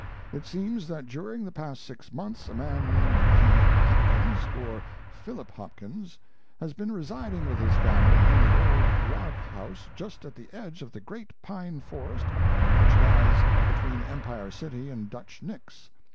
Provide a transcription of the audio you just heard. It seems that during the past six months a man named P. Hopkins, or Philip Hopkins, has been residing with his family in the old log house just at the edge of the great pine forest which lies between Empire City and Dutch Nick's.